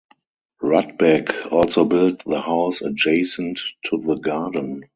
Rudbeck also built the house adjacent to the garden.